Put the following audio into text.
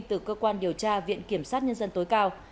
từ cơ quan điều tra viện kiểm sát nhân dân tối cao